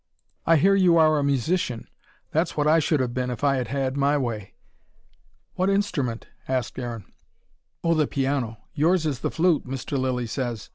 "I hear you are a musician. That's what I should have been if I had had my way." "What instrument?" asked Aaron. "Oh, the piano. Yours is the flute, Mr. Lilly says.